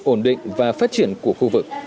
ổn định và phát triển của khu vực